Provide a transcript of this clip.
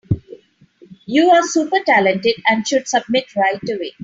You are super talented and should submit right away.